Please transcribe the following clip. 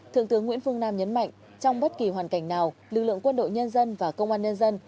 thượng tướng nguyễn phương nam nhấn mạnh trong bất kỳ hoàn cảnh nào lực lượng quân đội nhân dân và công an nhân dân